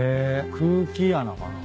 空気穴かな？